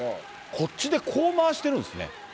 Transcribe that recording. こっちでこう回してるんですね。